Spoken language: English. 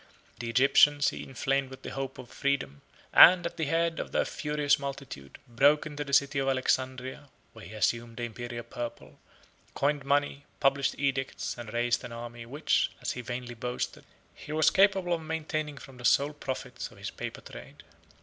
The Egyptians he inflamed with the hope of freedom, and, at the head of their furious multitude, broke into the city of Alexandria, where he assumed the Imperial purple, coined money, published edicts, and raised an army, which, as he vainly boasted, he was capable of maintaining from the sole profits of his paper trade.